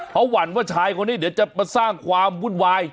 เขาหวั่นว่าชายคนนี้เดี๋ยวจะมาสร้างความวุ่นวาย